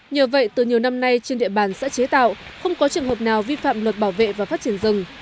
như vậy từ nhiều năm nay trên địa bản sẽ chế tạo không có trường hợp nào vi phạm luật bảo vệ và phát triển rừng